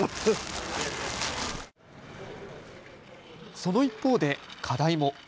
その一方で課題も。